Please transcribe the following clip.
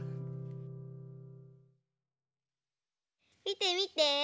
みてみて。